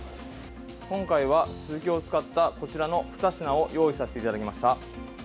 今回はスズキを使ったこちらの２品を用意させていただきました。